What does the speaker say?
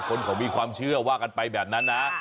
คนเขามีความเชื่อว่ากันไปแบบนั้นนะ